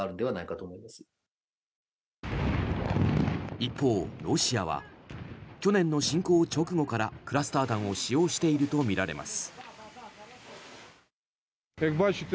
一方、ロシアは去年の侵攻直後からクラスター弾を使用しているとみられます。